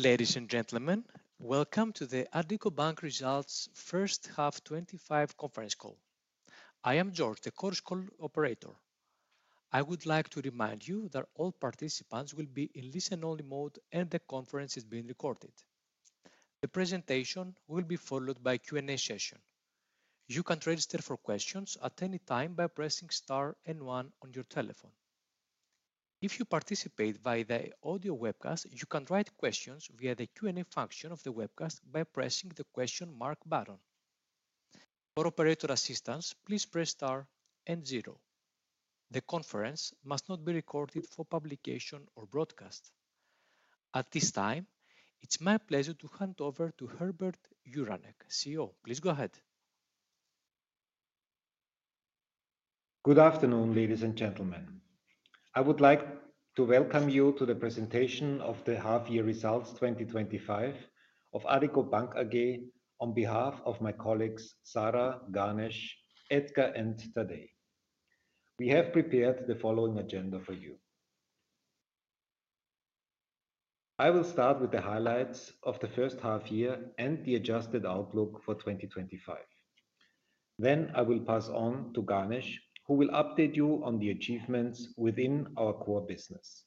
Ladies and gentlemen, welcome to the Addiko Bank Results First Half 2025 Conference Call. I am George, the course call operator. I would like to remind you that all participants will be in listen-only mode and the conference is being recorded. The presentation will be followed by a Q&A session. You can register for questions at any time by pressing star and one on your telephone. If you participate via the audio webcast, you can write questions via the Q&A function of the webcast by pressing the question mark button. For operator assistance, please press star and zero. The conference must not be recorded for publication or broadcast. At this time, it's my pleasure to hand over to Herbert Juranek, CEO. Please go ahead. Good afternoon, ladies and gentlemen. I would like to welcome you to the presentation of the half-year results 2025 of Addiko Bank AG on behalf of my colleagues Sara, Ganesh, Edgar, and Tadej. We have prepared the following agenda for you. I will start with the highlights of the first half year and the adjusted outlook for 2025. Then I will pass on to Ganesh, who will update you on the achievements within our core business.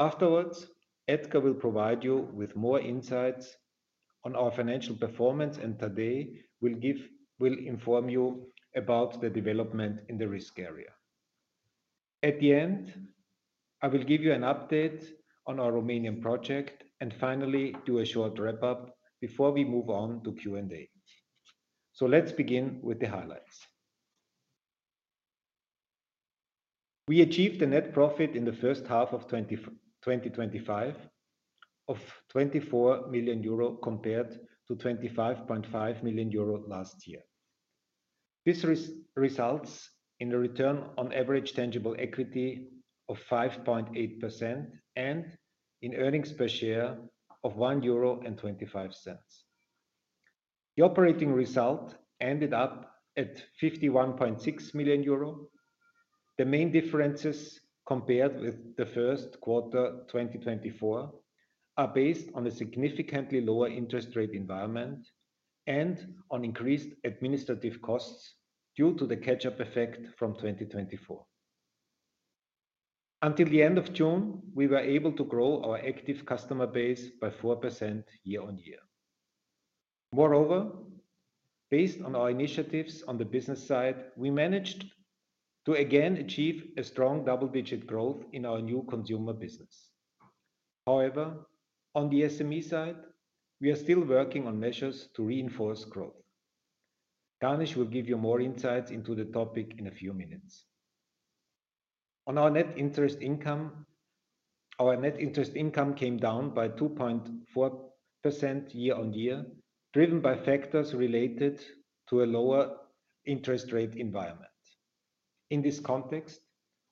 Afterwards, Edgar will provide you with more insights on our financial performance, and Tadej will inform you about the development in the risk area. At the end, I will give you an update on our Romanian project, and finally, do a short wrap-up before we move on to Q&A. Let's begin with the highlights. We achieved a net profit in the first half of 2025 of 24 million euro compared to 25.5 million euro last year. This results in a return on average tangible equity of 5.8% and an earnings per share of 1.25 euro. The operating result ended up at 51.6 million euro. The main differences compared with the first quarter 2024 are based on a significantly lower interest rate environment and on increased administrative costs due to the catch-up effect from 2024. Until the end of June, we were able to grow our active customer base by 4% year-on-year. Moreover, based on our initiatives on the business side, we managed to again achieve a strong double-digit growth in our new consumer business. However, on the SME side, we are still working on measures to reinforce growth. Ganesh will give you more insights into the topic in a few minutes. On our net interest income, our net interest income came down by 2.1% year-on-year, driven by factors related to a lower interest rate environment. In this context,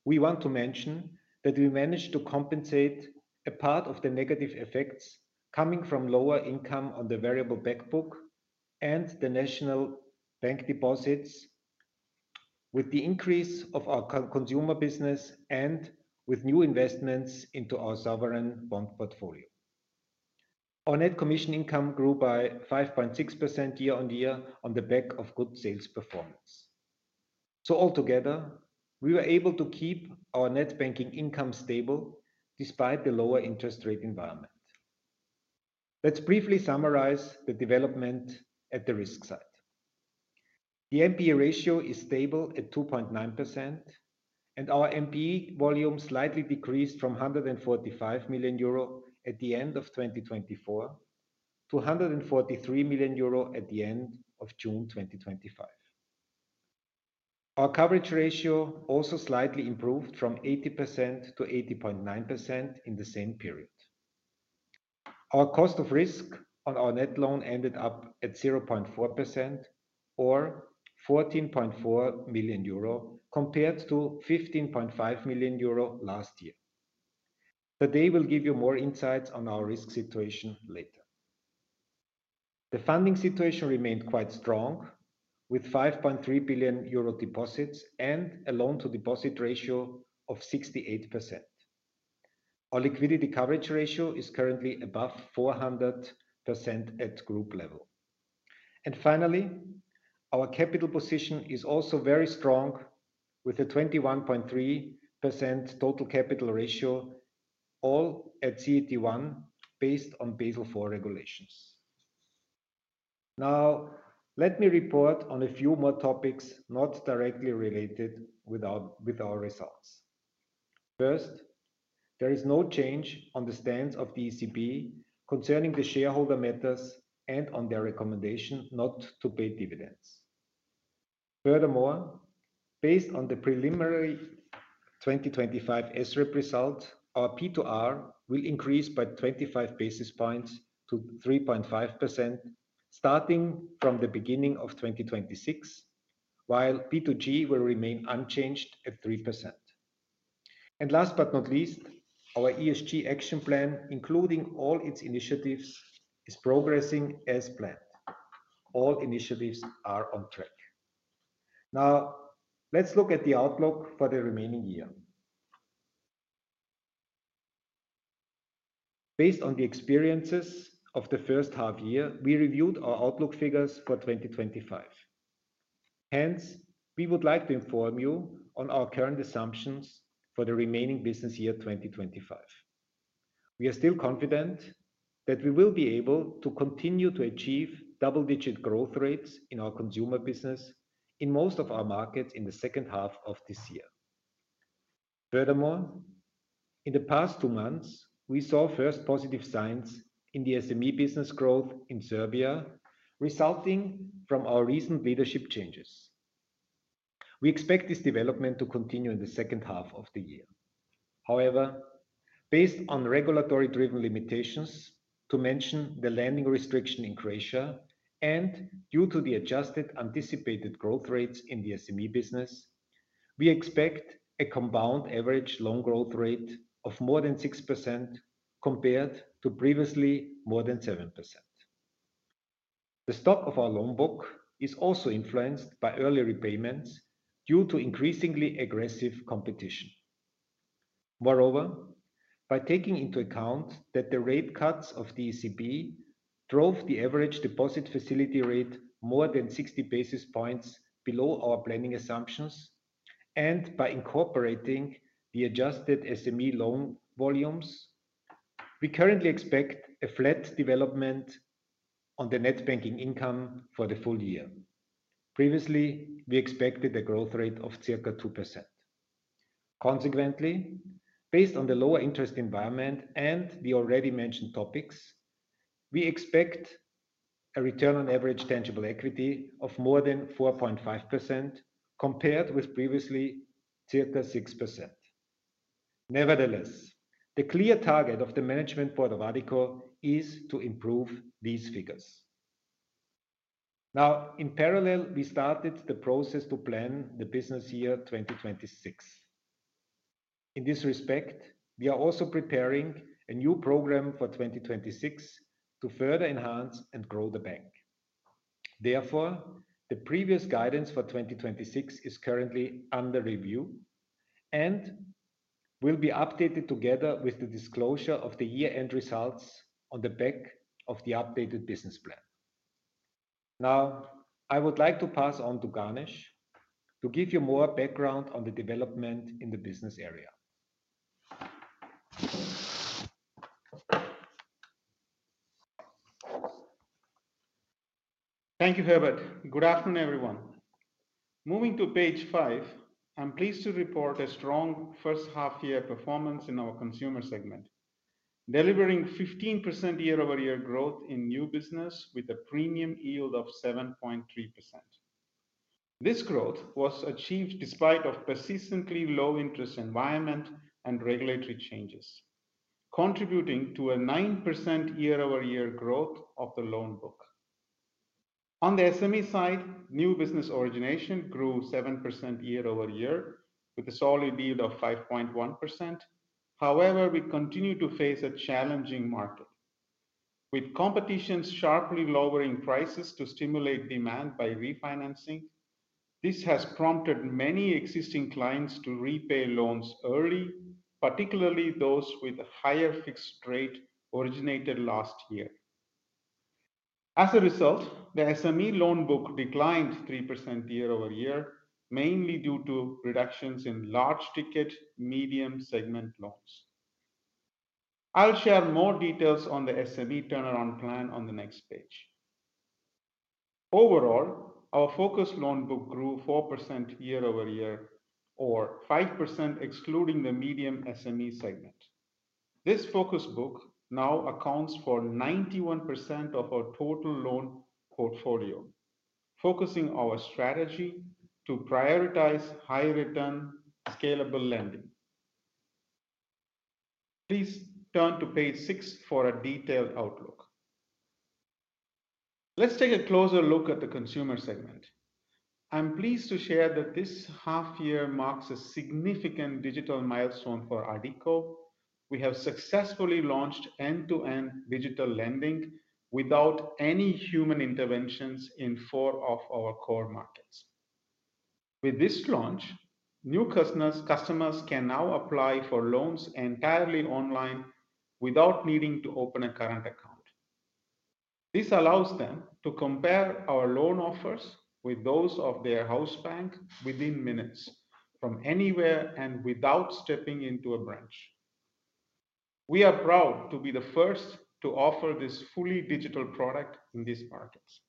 we want to mention that we managed to compensate a part of the negative effects coming from lower income on the variable bank book and the national bank deposits with the increase of our consumer business and with new investments into our sovereign bond portfolio. Our net commission income grew by 5.6% year-on-year on the back of good sales performance. Altogether, we were able to keep our net banking income stable despite the lower interest rate environment. Let's briefly summarize the development at the risk side. The NPE ratio is stable at 2.9%, and our NPE volume slightly decreased from 145 million euro at the end of 2024 to 143 million euro at the end of June 2025. Our coverage ratio also slightly improved from 80% to 80.9% in the same period. Our cost of risk on our net loan ended up at 0.4% or 14.4 million euro compared to 15.5 million euro last year. Tadej will give you more insights on our risk situation later. The funding situation remained quite strong with 5.3 billion euro deposits and a loan-to-deposit ratio of 68%. Our liquidity coverage ratio is currently above 400% at group level. Finally, our capital position is also very strong with a 21.3% total capital ratio, all at CET1 based on Basel IV regulations. Now, let me report on a few more topics not directly related with our results. First, there is no change on the stance of the ECB concerning the shareholder matters and on their recommendation not to pay dividends. Furthermore, based on the preliminary 2025 SRIP results, our P2R will increase by 25 basis points to 3.5% starting from the beginning of 2026, while P2G will remain unchanged at 3%. Last but not least, our ESG Action plan, including all its initiatives, is progressing as planned. All initiatives are on track. Now, let's look at the outlook for the remaining year. Based on the experiences of the first half year, we reviewed our outlook figures for 2025. Hence, we would like to inform you on our current assumptions for the remaining business year 2025. We are still confident that we will be able to continue to achieve double-digit growth rates in our consumer business in most of our markets in the second half of this year. Furthermore, in the past two months, we saw first positive signs in the SME business growth in Serbia, resulting from our recent leadership changes. We expect this development to continue in the second half of the year. However, based on regulatory-driven limitations, to mention the lending restriction in Croatia, and due to the adjusted anticipated growth rates in the SME business, we expect a compound average loan growth rate of more than 6% compared to previously more than 7%. The stock of our loan book is also influenced by early repayments due to increasingly aggressive competition. Moreover, by taking into account that the rate cuts of the ECB drove the average deposit facility rate more than 60 basis points below our planning assumptions, and by incorporating the adjusted SME loan volumes, we currently expect a flat development on the net banking income for the full year. Previously, we expected a growth rate of circa 2%. Consequently, based on the lower interest environment and the already mentioned topics, we expect a return on average tangible equity of more than 4.5% compared with previously circa 6%. Nevertheless, the clear target of the Management Board of Addiko is to improve these figures. In parallel, we started the process to plan the business year 2026. In this respect, we are also preparing a new program for 2026 to further enhance and grow the bank. Therefore, the previous guidance for 2026 is currently under review and will be updated together with the disclosure of the year-end results on the back of the updated business plan. I would like to pass on to Ganesh to give you more background on the development in the business area. Thank you, Herbert. Good afternoon, everyone. Moving to page five, I'm pleased to report a strong first half-year performance in our consumer segment, delivering 15% year-over-year growth in new business with a premium yield of 7.3%. This growth was achieved despite a persistently low interest environment and regulatory changes, contributing to a 9% year-over-year growth of the loan book. On the SME side, new business origination grew 7% year-over-year with a solid yield of 5.1%. However, we continue to face a challenging market. With competition sharply lowering prices to stimulate demand by refinancing, this has prompted many existing clients to repay loans early, particularly those with a higher fixed rate originated last year. As a result, the SME loan book declined 3% year-over-year, mainly due to reductions in large ticket medium segment loans. I'll share more details on the SME turnaround plan on the next page. Overall, our focus loan book grew 4% year-over-year or 5% excluding the medium SME segment. This focus book now accounts for 91% of our total loan portfolio, focusing our strategy to prioritize high-return, scalable lending. Please turn to page six for a detailed outlook. Let's take a closer look at the consumer segment. I'm pleased to share that this half-year marks a significant digital milestone for Addiko. We have successfully launched end-to-end digital lending without any human interventions in four of our core markets. With this launch, new customers can now apply for loans entirely online without needing to open a current account. This allows them to compare our loan offers with those of their house bank within minutes, from anywhere, and without stepping into a branch. We are proud to be the first to offer this fully digital product in these markets.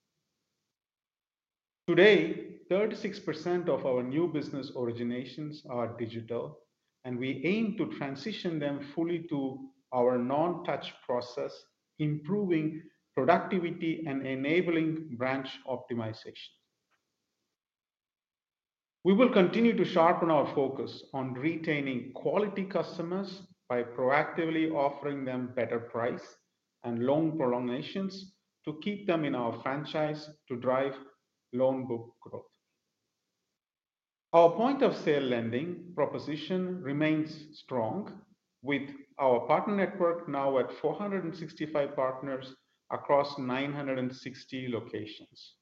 Today, 36% of our new business originations are digital, and we aim to transition them fully to our non-touch process, improving productivity and enabling branch optimization. We will continue to sharpen our focus on retaining quality customers by proactively offering them better price and loan prolongations to keep them in our franchise to drive loan book growth. Our point-of-sale lending proposition remains strong, with our partner network now at 465 partners across 960 locations,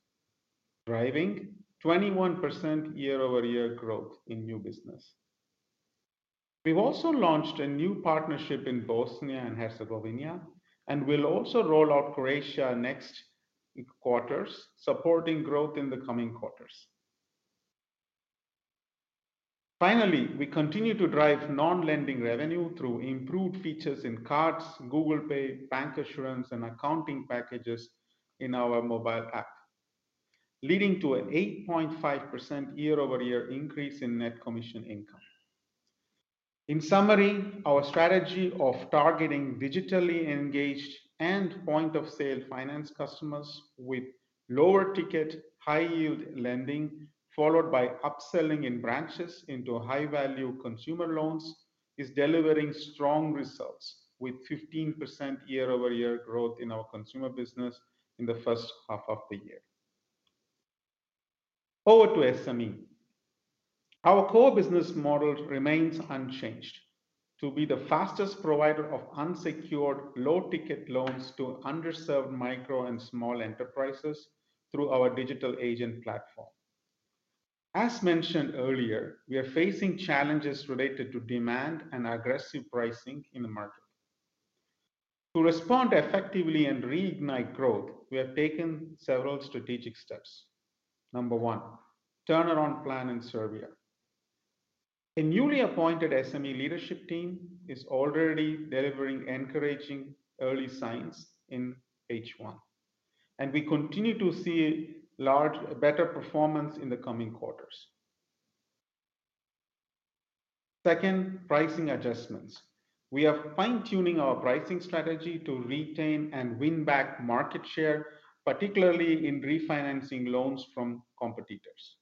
driving 21% year-over-year growth in new business. We've also launched a new partnership in Bosnia and Herzegovina, and we'll also roll out Croatia next quarter, supporting growth in the coming quarters. Finally, we continue to drive non-lending revenue through improved features in cards, Google Pay, bank assurance, and accounting packages in our mobile app, leading to an 8.5% year-over-year increase in net commission income. In summary, our strategy of targeting digitally engaged and point-of-sale finance customers with lower ticket, high-yield lending, followed by upselling in branches into high-value consumer loans, is delivering strong results with 15% year-over-year growth in our consumer business in the first half of the year. Over to SME. Our core business model remains unchanged to be the fastest provider of unsecured low-ticket loans to underserved micro and small enterprises through our digital agent platform. As mentioned earlier, we are facing challenges related to demand and aggressive pricing in the market. To respond effectively and reignite growth, we have taken several strategic steps. Number one, turnaround plan in Serbia. A newly appointed SME leadership team is already delivering encouraging early signs in page one, and we continue to see large, better performance in the coming quarters. Second, pricing adjustments. We are fine-tuning our pricing strategy to retain and win back market share, particularly in refinancing loans from competitors.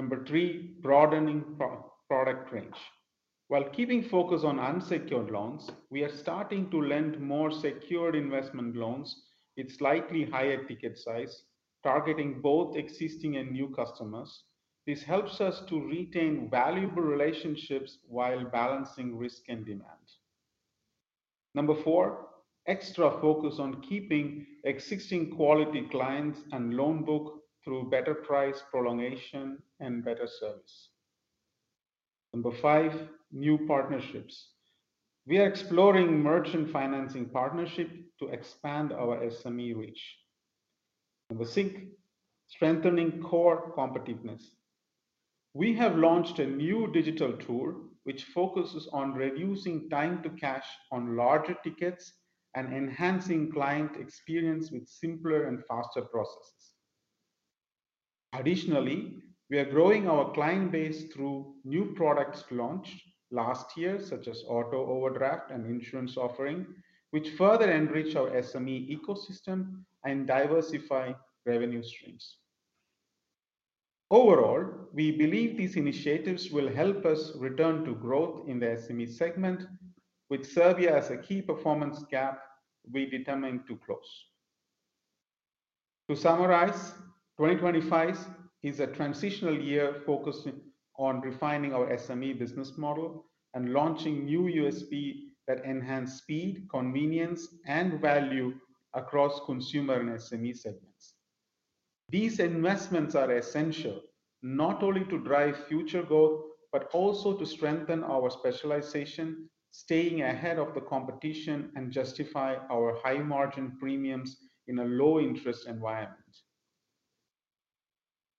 Number three, broadening product range. While keeping focus on unsecured loans, we are starting to lend more secured investment loans with slightly higher ticket size, targeting both existing and new customers. This helps us to retain valuable relationships while balancing risk and demand. Number four, extra focus on keeping existing quality clients and loan book through better price prolongation and better service. Number five, new partnerships. We are exploring merchant financing partnerships to expand our SME reach. Number six, strengthening core competitiveness. We have launched a new digital tool which focuses on reducing time to cash on larger tickets and enhancing client experience with simpler and faster processes. Additionally, we are growing our client base through new products launched last year, such as auto overdraft and insurance offering, which further enrich our SME ecosystem and diversify revenue streams. Overall, we believe these initiatives will help us return to growth in the SME segment, with Serbia as a key performance gap we are determined to close. To summarize, 2025 is a transitional year focused on refining our SME business model and launching new USPs that enhance speed, convenience, and value across consumer and SME segments. These investments are essential not only to drive future growth but also to strengthen our specialization, staying ahead of the competition, and justify our high-margin premiums in a low-interest environment.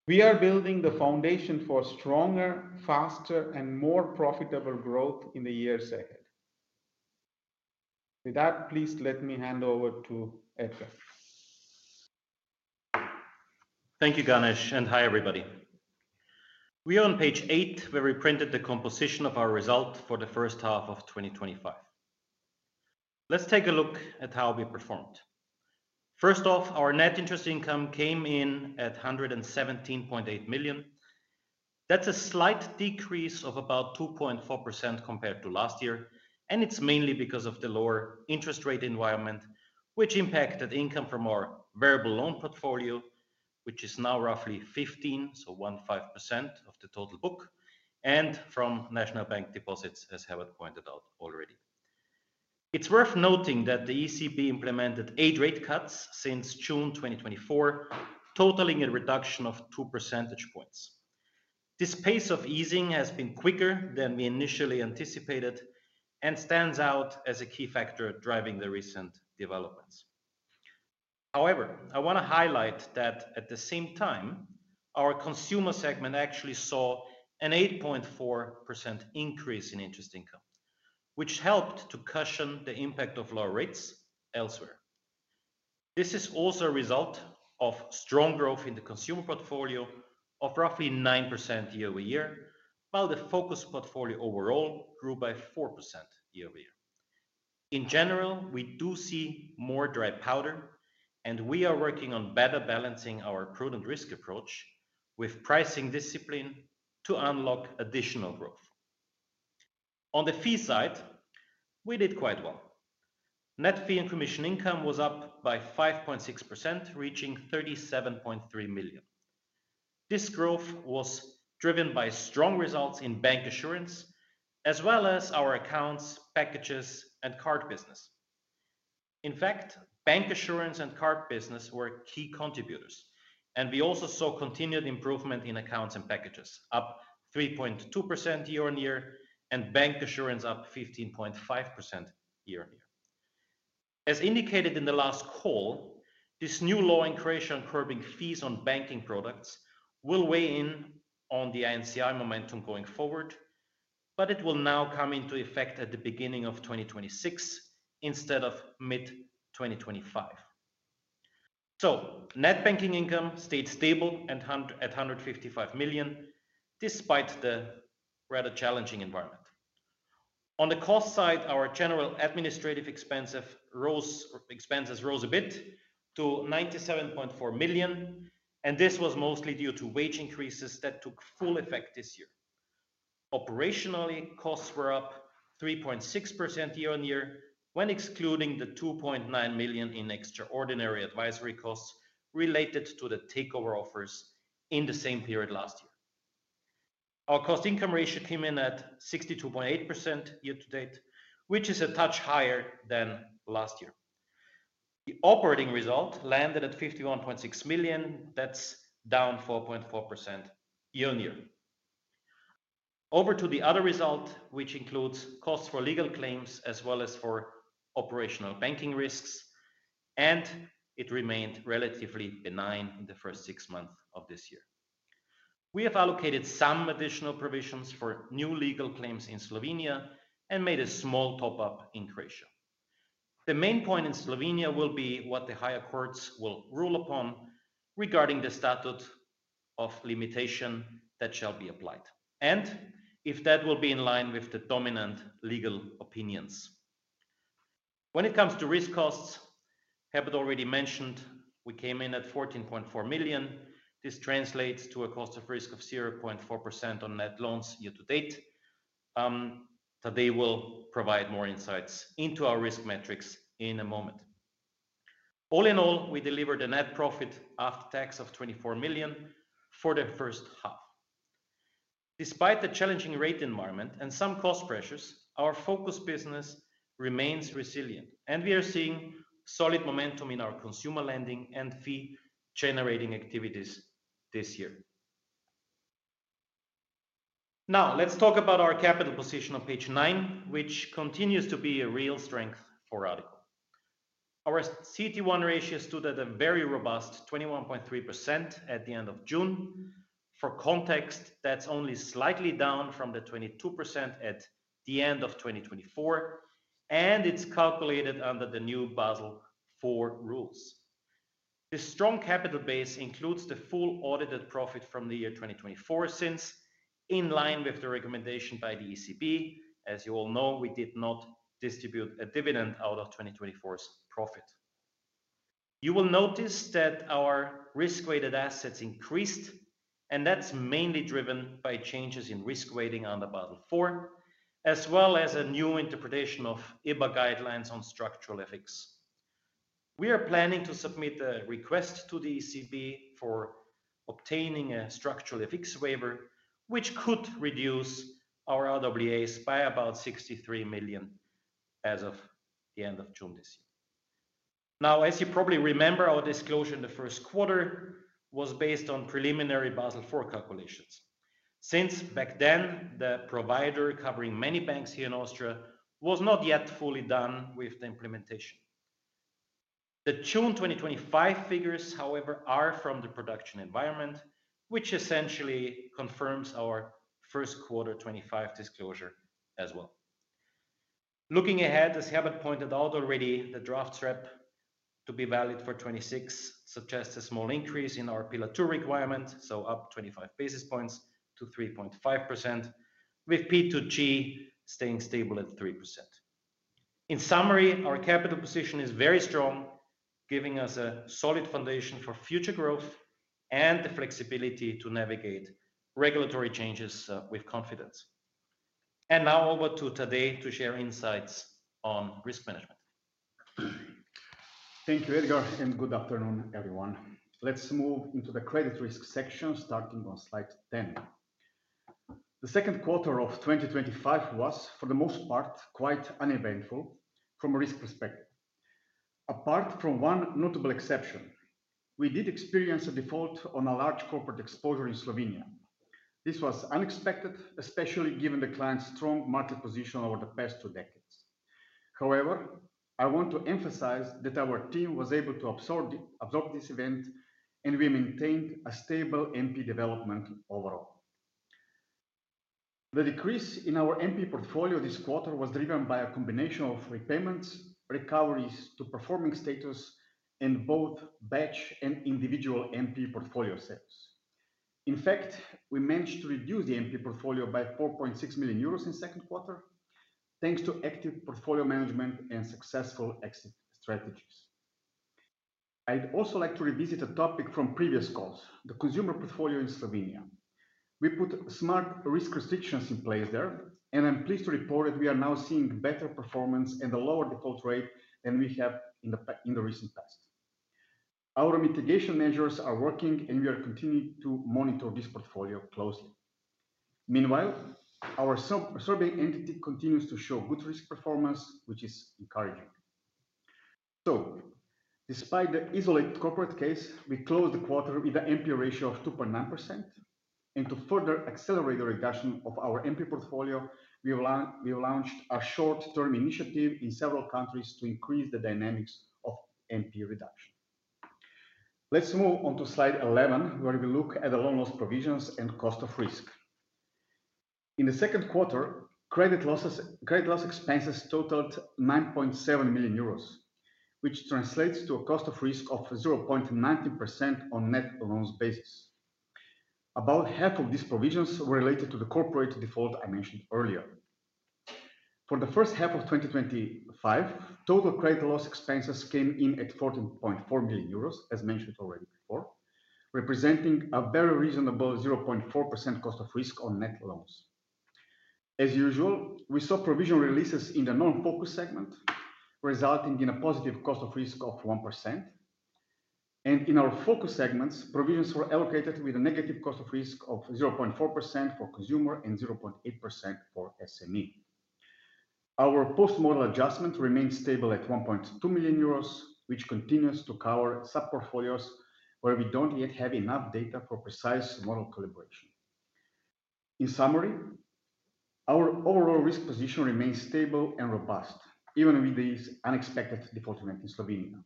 We are building the foundation for stronger, faster, and more profitable growth in the years ahead. With that, please let me hand over to Edgar. Thank you, Ganesh, and hi, everybody. We are on page eight where we printed the composition of our result for the first half of 2025. Let's take a look at how we performed. First of, our net interest income came in at 117.8 million. That's a slight decrease of about 2.4% compared to last year, and it's mainly because of the lower interest rate environment, which impacted income from our variable loan portfolio, which is now roughly 15%, so 1.5% of the total book, and from national bank deposits, as Herbert pointed out already. It's worth noting that the ECB implemented rate cuts since June 2024, totaling a reduction of two percentage points. This pace of easing has been quicker than we initially anticipated and stands out as a key factor driving the recent developments. However, I want to highlight that at the same time, our consumer segment actually saw an 8.4% increase in interest income, which helped to cushion the impact of lower rates elsewhere. This is also a result of strong growth in the consumer portfolio of roughly 9% year-over-year, while the focus portfolio overall grew by 4% year-over-year. In general, we do see more dry powder, and we are working on better balancing our accrued risk approach with pricing discipline to unlock additional growth. On the fee side, we did quite well. Net fee and commission income was up by 5.6%, reaching 37.3 million. This growth was driven by strong results in bank assurance, as well as our accounts, packages, and card business. In fact, bank assurance and card business were key contributors, and we also saw continued improvement in accounts and packages, up 3.2% year-on-year, and bank assurance up 15.5% year-on-year. As indicated in the last call, this new law in Croatia on curbing fees on banking products will weigh in on the net commission income momentum going forward, but it will now come into effect at the beginning of 2026 instead of mid-2025. Net banking income stayed stable at 155 million despite the rather challenging environment. On the cost side, our general administrative expenses rose a bit to 97.4 million, and this was mostly due to wage increases that took full effect this year. Operationally, costs were up 3.6% year-on-year when excluding the 2.9 million in extraordinary advisory costs related to the takeover offers in the same period last year. Our cost income ratio came in at 62.8% year to date, which is a touch higher than last year. The operating result landed a 51.6 million. That's down 4.4% year-on-year. Over to the other result, which includes costs for legal claims as well as for operational banking risks, and it remained relatively benign in the first six months of this year. We have allocated some additional provisions for new legal claims in Slovenia and made a small top-up in Croatia. The main point in Slovenia will be what the higher courts will rule upon regarding the statute of limitation that shall be applied and if that will be in line with the dominant legal opinions. When it comes to risk costs, Herbert already mentioned we came in at 14.4 million. This translates to a cost of risk of 0.4% on net loans year to date. Tadej will provide more insights into our risk metrics in a moment. All in all, we delivered a net profit after tax of 24 million for the first half. Despite the challenging rate environment and some cost pressures, our focus business remains resilient, and we are seeing solid momentum in our consumer lending and fee-generating activities this year. Now, let's talk about our capital position on page nine, which continues to be a real strength for Addiko. Our CET1 ratio stood at a very robust 21.3% at the end of June. For context, that's only slightly down from the 22% at the end of 2024, and it's calculated under the new Basel IV rules. This strong capital base includes the full audited profit from the year 2024 since, in line with the recommendation by the ECB. As you all know, we did not distribute a dividend out of 2024's profit. You will notice that our risk-weighted assets increased, and that's mainly driven by changes in risk rating under Basel IV, as well as a new interpretation of EBA guidelines on structural FX. We are planning to submit a request to the ECB for obtaining a structural FX waiver, which could reduce our RWAs by about 63 million as of the end of June this year. Now, as you probably remember, our disclosure in the first quarter was based on preliminary Basel IV calculations. Since back then, the provider covering many banks here in Austria was not yet fully done with the implementation. The June 2025 figures, however, are from the production environment, which essentially confirms our first quarter 2025 disclosure as well. Looking ahead, as Herbert pointed out already, the draft SREP to be valid for 2026 suggests a small increase in our Pillar 2 Requirement, so up 25 basis points to 3.5%, with P2G staying stable at 3%. In summary, our capital position is very strong, giving us a solid foundation for future growth and the flexibility to navigate regulatory changes with confidence. Now over to Tadej to share insights on risk management. Thank you, Edgar, and good afternoon, everyone. Let's move into the credit risk section, starting on slide 10. The second quarter of 2025 was, for the most part, quite uneventful from a risk perspective, apart from one notable exception. We did experience a default on a large corporate exposure in Slovenia. This was unexpected, especially given the client's strong market position over the past two decades. However, I want to emphasize that our team was able to absorb this event, and we maintained a stable NPE development overall. The decrease in our NPE portfolio this quarter was driven by a combination of repayments, recoveries to performing status, and both batch and individual NPE portfolio sales. In fact, we managed to reduce the NPE portfolio by 4.6 million euros in the second quarter, thanks to active portfolio management and successful exit strategies. I'd also like to revisit a topic from previous calls, the consumer portfolio in Slovenia. We put smart risk restrictions in place there, and I'm pleased to report that we are now seeing better performance and a lower default rate than we have in the recent past. Our mitigation measures are working, and we are continuing to monitor this portfolio closely. Meanwhile, our Serbia entity continues to show good risk performance, which is encouraging. Despite the isolated corporate case, we closed the quarter with an NPE ratio of 2.9%. To further accelerate the reduction of our NPE portfolio, we have launched a short-term initiative in several countries to increase the dynamics of NPE reduction. Let's move on to slide 11, where we look at the loan loss provisions and cost of risk. In the second quarter, credit loss expenses totaled 9.7 million euros, which translates to a cost of risk of 0.19% on a net loans basis. About half of these provisions were related to the corporate default I mentioned earlier. For the first half of 2025, total credit loss expenses came in at 14.4 million euros, as mentioned already before, representing a very reasonable 0.4% cost of risk on net loans. As usual, we saw provision releases in the non-focus segment, resulting in a positive cost of risk of 1%. In our focus segments, provisions were allocated with a negative cost of risk of 0.4% for consumer and 0.8% for SME. Our post-model adjustment remains stable at 1.2 million euros, which continues to cover sub-portfolios where we don't yet have enough data for precise model calibration. In summary, our overall risk position remains stable and robust, even with this unexpected default event in Slovenia.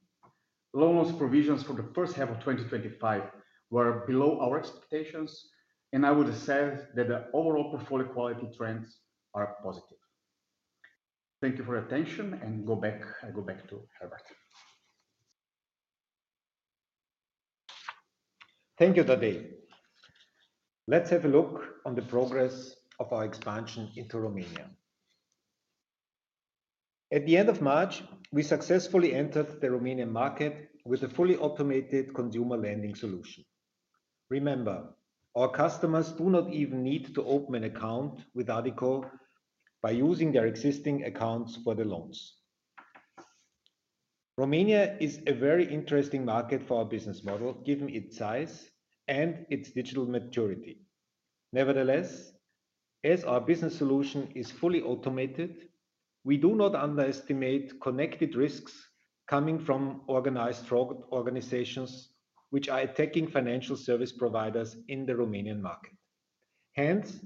Loan loss provisions for the first half of 2025 were below our expectations, and I would say that the overall portfolio quality trends are positive. Thank you for your attention, and I go back to Herbert. Thank you, Tadej. Let's have a look on the progress of our expansion into Romania. At the end of March, we successfully entered the Romanian market with a fully automated consumer lending solution. Remember, our customers do not even need to open an account with Addiko by using their existing accounts for the loans. Romania is a very interesting market for our business model, given its size and its digital maturity. Nevertheless, as our business solution is fully automated, we do not underestimate connected risks coming from organized fraud organizations, which are attacking financial service providers in the Romanian market. Hence,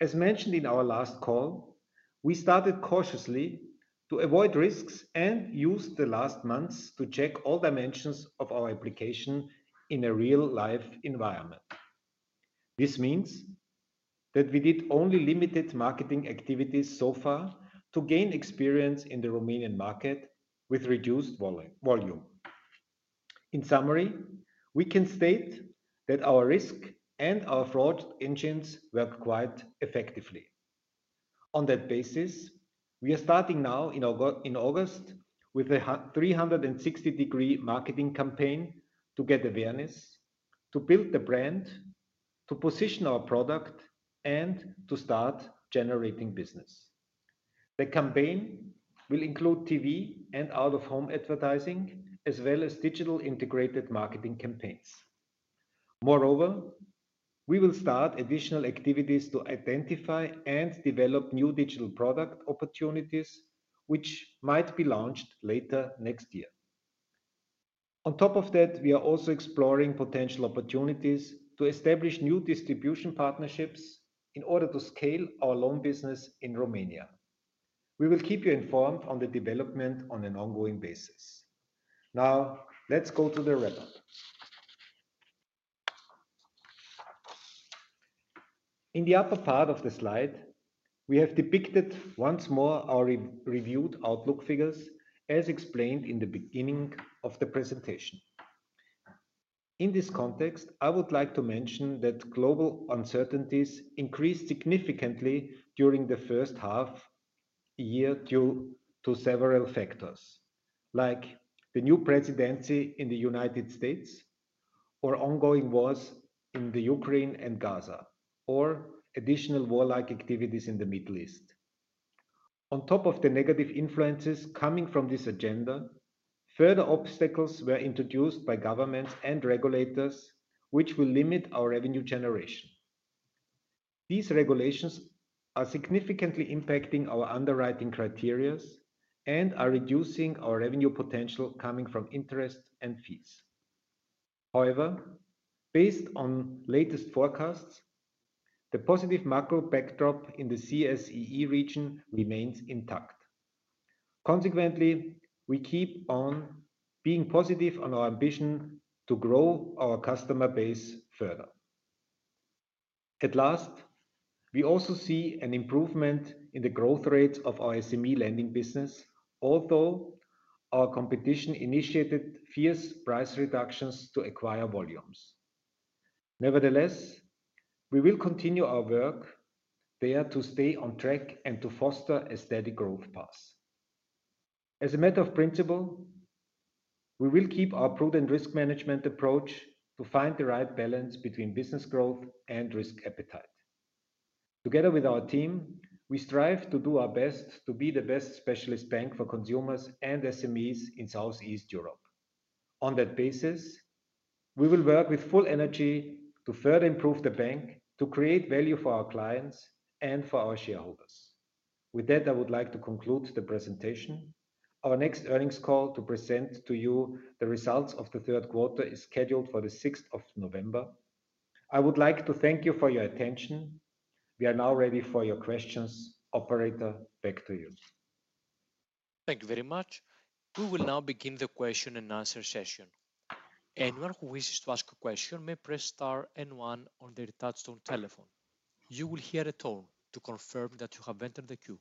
as mentioned in our last call, we started cautiously to avoid risks and used the last months to check all dimensions of our application in a real-life environment. This means that we did only limited marketing activities so far to gain experience in the Romanian market with reduced volume. In summary, we can state that our risk and our fraud engines work quite effectively. On that basis, we are starting now in August with a 360-degree marketing campaign to get awareness, to build the brand, to position our product, and to start generating business. The campaign will include TV and out-of-home advertising, as well as digital integrated marketing campaigns. Moreover, we will start additional activities to identify and develop new digital product opportunities, which might be launched later next year. On top of that, we are also exploring potential opportunities to establish new distribution partnerships in order to scale our loan business in Romania. We will keep you informed on the development on an ongoing basis. Now, let's go to the report. In the upper part of the slide, we have depicted once more our reviewed outlook figures, as explained in the beginning of the presentation. In this context, I would like to mention that global uncertainties increased significantly during the first half of the year due to several factors, like the new presidency in the United States, or ongoing wars in Ukraine and Gaza, or additional warlike activities in the Middle East. On top of the negative influences coming from this agenda, further obstacles were introduced by governments and regulators, which will limit our revenue generation. These regulations are significantly impacting our underwriting criteria and are reducing our revenue potential coming from interest and fees. However, based on latest forecasts, the positive macro backdrop in the CSEE region remains intact. Consequently, we keep on being positive on our ambition to grow our customer base further. At last, we also see an improvement in the growth rates of our SME lending business, although our competition initiated fierce price reductions to acquire volumes. Nevertheless, we will continue our work there to stay on track and to foster a steady growth path. As a matter of principle, we will keep our prudent risk management approach to find the right balance between business growth and risk appetite. Together with our team, we strive to do our best to be the best specialist bank for consumers and SMEs in Southeast Europe. On that basis, we will work with full energy to further improve the bank to create value for our clients and for our shareholders. With that, I would like to conclude the presentation. Our next earnings call to present to you the results of the third quarter is scheduled for the 6th of November. I would like to thank you for your attention. We are now ready for your questions. Operator, back to you. Thank you very much. We will now begin the question and answer session. Anyone who wishes to ask a question may press star and one on their touchstone telephone. You will hear a tone to confirm that you have entered the queue.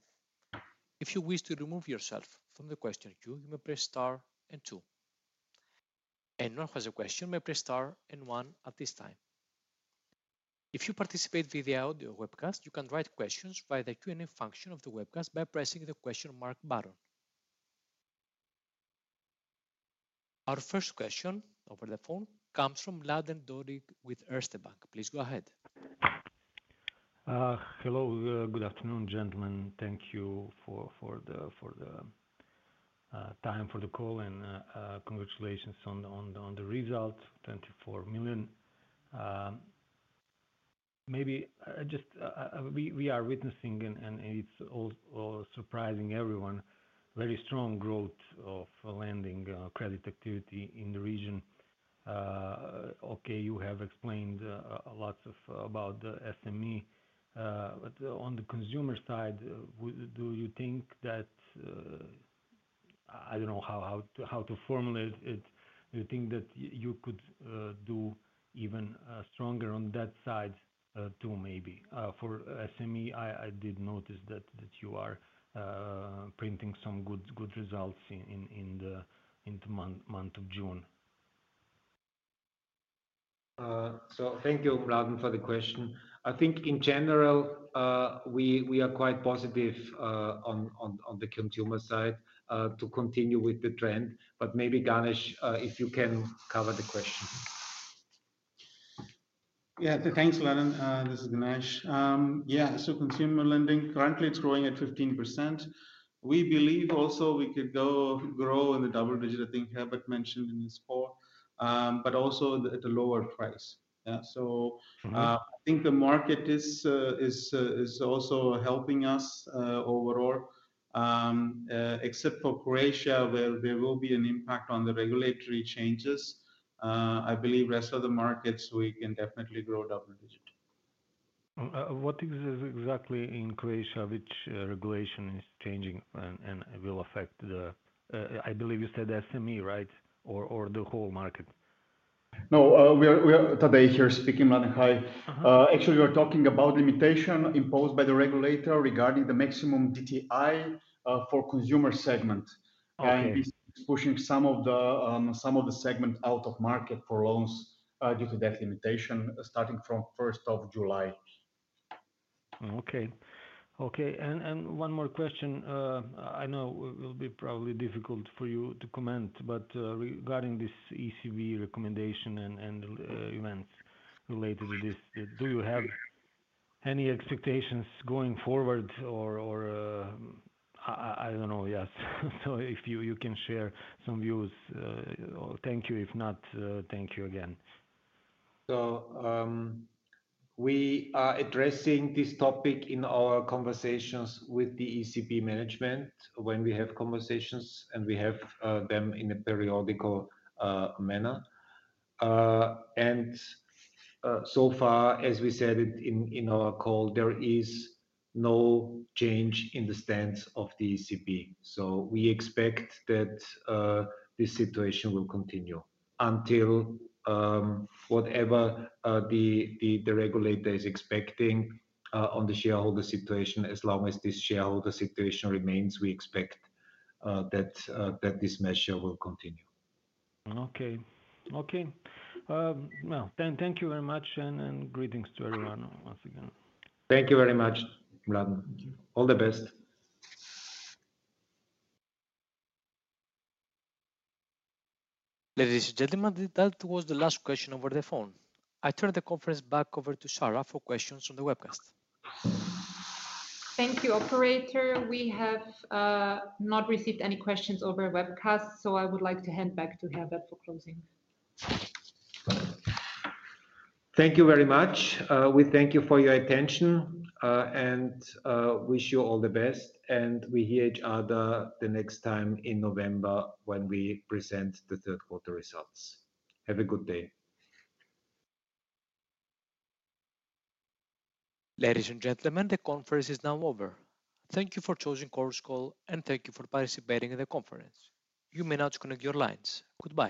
If you wish to remove yourself from the question queue, you may press star and two. Anyone who has a question may press star and one at this time. If you participate via the audio webcast, you can write questions via the Q&A function of the webcast by pressing the question mark button. Our first question over the phone comes from Mladen Dodig with Erste Group Bank. Please go ahead. Hello. Good afternoon, gentlemen. Thank you for the time for the call and congratulations on the result, 24 million. Maybe just we are witnessing, and it's all surprising everyone, a very strong growth of lending credit activity in the region. Okay, you have explained lots about the SME, but on the consumer side, do you think that, I don't know how to formulate it, do you think that you could do even stronger on that side too, maybe? For SME, I did notice that you are printing some good results in the month of June. Thank you, Laden, for the question. I think in general, we are quite positive on the consumer side to continue with the trend, but maybe Ganesh, if you can cover the question. Yeah, thanks, Laden. This is Ganesh. Yeah, so consumer lending currently is growing at 15%. We believe also we could grow in the double digit. I think Herbert mentioned in his poll, but also at a lower price. Yeah, I think the market is also helping us overall, except for Croatia where there will be an impact on the regulatory changes. I believe the rest of the markets we can definitely grow double digit. What is exactly in Croatia, which regulation is changing and will affect the, I believe you said SME, right? Or the whole market? No, we are Tadej here speaking on the high. Actually, we are talking about limitation imposed by the regulator regarding the maximum DTI for consumer segment. He's pushing some of the segment out of market for loans due to that limitation starting from July 1. Okay. Okay. One more question. I know it will be probably difficult for you to comment, but regarding this ECB recommendation and events related with this, do you have any expectations going forward or I don't know, yes. If you can share some views, thank you. If not, thank you again. We are addressing this topic in our conversations with the ECB management when we have conversations, and we have them in a periodical manner. As we said in our call, there is no change in the stance of the ECB. We expect that this situation will continue until whatever the regulator is expecting on the shareholder situation. As long as this shareholder situation remains, we expect that this measure will continue. Thank you very much, and greetings to everyone once again. Thank you very much, Laden. All the best. Ladies and gentlemen, that was the last question over the phone. I turn the conference back over to Sara for questions on the webcast. Thank you, operator. We have not received any questions over a webcast, so I would like to hand back to Herbert for closing. Thank you very much. We thank you for your attention and wish you all the best. We hear each other the next time in November when we present the third quarter results. Have a good day. Ladies and gentlemen, the conference is now over. Thank you for choosing Course Call, and thank you for participating in the conference. You may now disconnect your lines. Goodbye.